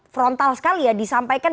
frontal sekali ya disampaikan